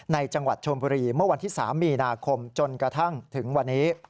จังหวัดชมบุรีเมื่อวันที่๓มีนาคมจนกระทั่งถึงวันนี้